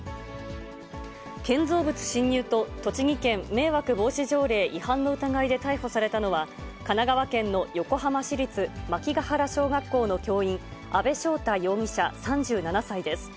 建造物侵入と栃木県迷惑防止条例違反の疑いで逮捕されたのは、神奈川県の横浜市立万騎が原小学校の教員、阿部翔太容疑者３７歳です。